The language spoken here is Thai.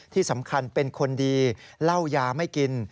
ที่สำคัญเป็นคนดีเหล้ายาไม่กิน